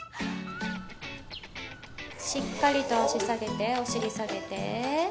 しっかりと押し下げてお尻下げて。